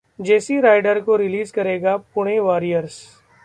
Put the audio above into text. जेसी Ryder को release करेगा Pune warriors